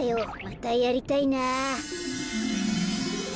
またやりたいなあ。